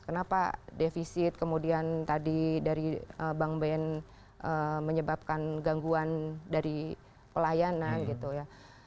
kenapa defisit kemudian tadi dari bank ben menyebabkan gangguan dari pelayanan gitu ya